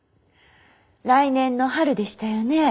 来年の春でしたよね？